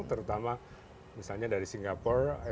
terutama misalnya dari singapura